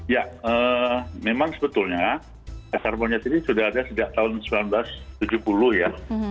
ya memang sebetulnya cacar monyet ini sudah ada sejak tahun seribu sembilan ratus tujuh puluh ya